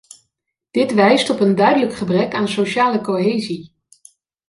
Dit wijst op een duidelijk gebrek aan sociale cohesie.